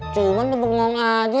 cuma lu bengong aja